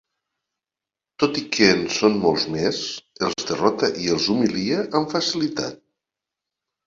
Tot i que en són molts més, els derrota i els humilia amb facilitat.